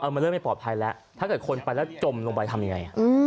มันเริ่มไม่ปลอดภัยแล้วถ้าเกิดคนไปแล้วจมลงไปทำยังไง